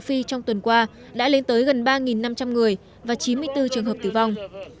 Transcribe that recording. phi trong tuần qua đã lên tới gần ba năm trăm linh người và chín mươi bốn trường hợp tử vong